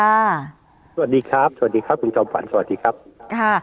สวัสดีครับสวัสดีครับคุณจอมฝันสวัสดีครับค่ะ